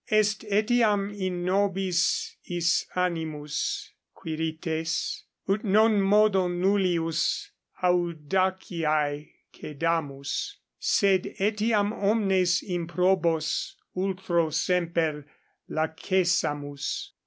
Est etiam 28 in nobis is animus, Quirites, ut non modo nullius audaciae cedamus, sed etiam omnes improbos ultro semper lacessamus.